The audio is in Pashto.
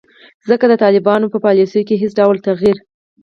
ځکه د طالبانو په پالیسیو کې هیڅ ډول تغیر